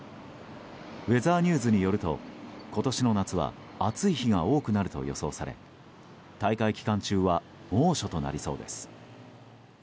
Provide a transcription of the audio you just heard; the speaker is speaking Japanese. ウェザーニューズによると今年の夏は暑い日が多くなると予想され大会期間中は猛暑となりそうです。